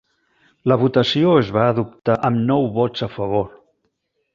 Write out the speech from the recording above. La votació es va adoptar amb nou vots a favor.